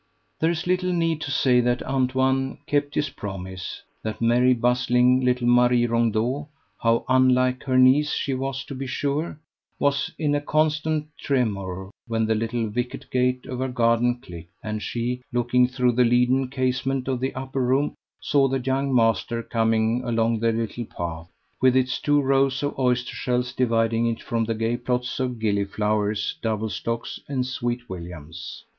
There is little need to say that Antoine kept his promise; that merry bustling little Marie Rondeau (how unlike her niece she was, to be sure!) was in a constant tremor when the little wicket gate of her garden clicked, and she, looking through the leaden casement of the upper room, saw the young master coming along the little path, with its two rows of oyster shells dividing it from the gay plots of gilliflowers, double stocks, and sweet williams.